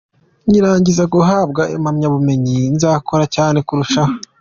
Nkirangiza guhabwa impamyabumenyi nzakora cyane kurushaho.